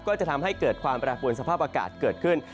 ก็จะทำให้เกิดความแปรปวนสภาพอากาศเกิดขึ้น